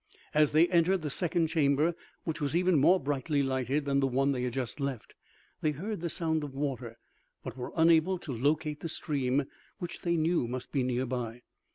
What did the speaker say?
As they entered the second chamber, which was even more brightly lighted than the one they had just left, they heard the sound of water, but were unable to locate the stream which they knew must be near by.